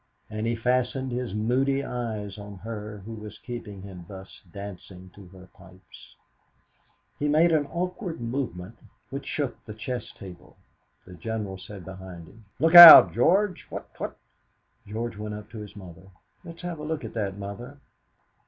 And he fastened his moody eyes on her who was keeping him thus dancing to her pipes. He made an awkward movement which shook the chess table. The General said behind him: "Look out, George! What what!" George went up to his mother. "Let's have a look at that, Mother."